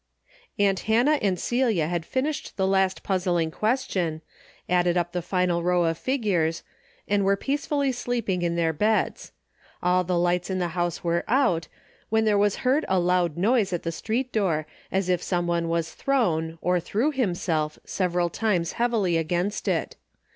Aunt Hannah and Celia had finished the last puzzling question, added up the final row of figures, and were peacefully sleeping in their beds. All the lights in the house Avere out, when there Avas heard a loud noise at the street door, as if some one Avas thrown, or threAv himself, several times heavily against it.